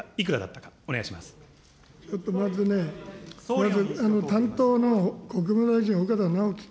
ちょっとまずね、担当の国務大臣、岡田直樹君。